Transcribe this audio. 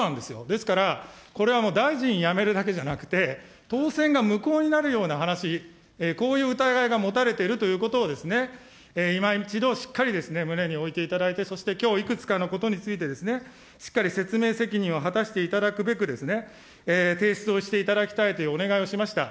ですから、これはもう大臣辞めるだけじゃなくて、当選が無効になるような話、こういう疑いが持たれているということをですね、いま一度しっかり胸に置いていただいて、そしてきょういくつかのことについて、しっかり説明責任を果たしていただくべく、提出をしていただきたいというお願いをしました。